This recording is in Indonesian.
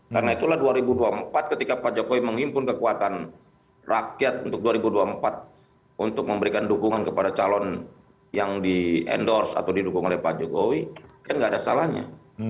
karena itulah dua ribu dua puluh empat ketika pak jokowi menghimpun kekuatan rakyat untuk dua ribu dua puluh empat untuk memberikan dukungan kepada calon yang di endorse atau di dukung oleh pak jokowi kan nggak ada salahnya